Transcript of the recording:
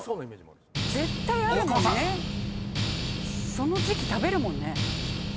その時季食べるもんね。